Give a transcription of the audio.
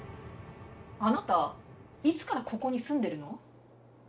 あなたいつからここに住んでるの？